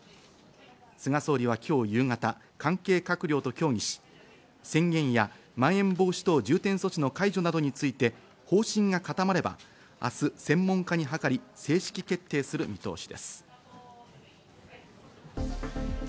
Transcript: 菅総理は今日夕方、関係閣僚と協議し宣言や、まん延防止等重点措置の解除などについて方針が固まれば明日、専門家に諮り、正式決定する見通しです。